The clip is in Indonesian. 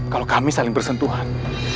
kalau kami saling bersentuhan